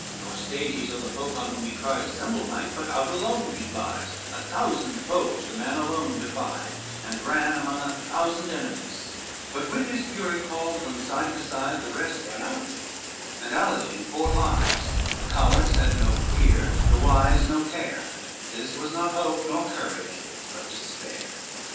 LXXVI Nor stayed he till the folk on whom he cried Assemble might, but out alone he flies, A thousand foes the man alone defied, And ran among a thousand enemies: But with his fury called from every side, The rest run out, and Aladine forth hies, The cowards had no fear, the wise no care, This was not hope, nor courage, but despair.